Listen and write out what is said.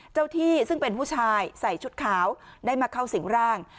ที่ซึ่งเป็นผู้ชายใส่ชุดขาวได้มาเข้าสิ่งร่าง